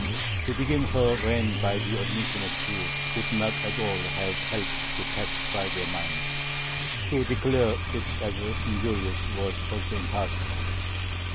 To begin her reign by the admission of Jews would not at all have helped to pacify their minds; to declare it as injurious was also impossible.